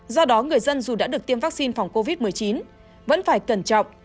do đó người dân dù đã được tiêm vaccine phòng covid một mươi chín vẫn phải cẩn trọng